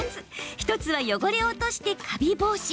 １つは汚れを落としてカビ防止。